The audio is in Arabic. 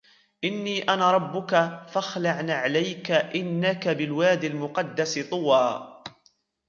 إِنِّي أَنَا رَبُّكَ فَاخْلَعْ نَعْلَيْكَ إِنَّكَ بِالْوَادِ الْمُقَدَّسِ طُوًى